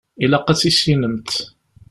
Ilaq ad tt-tissinemt.